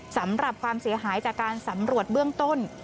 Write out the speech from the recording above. สำหรับความเสียหายจากการสำรวจเบื้องต้น